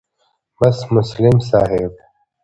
بس مسلم صاحب